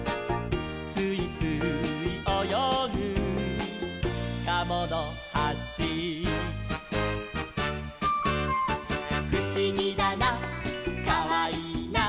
「すいすいおよぐカモノハシ」「ふしぎだなかわいいな」